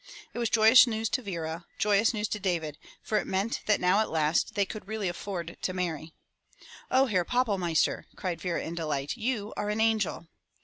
It was joyous news to Vera, joyous news to David, for it meant that now at last they could really afford to marry. "Oh, Herr Pappelmeister," cried Vera in delight, "You are an angel!"